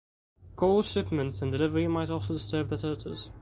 Coal shipments and delivery might also disturb the turtles.